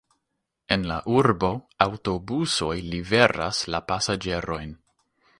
En la urbo aŭtobusoj liveras la pasaĝerojn.